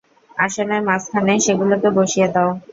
আসনের মাঝখানে সেগুলোকে বসিয়ে দাও।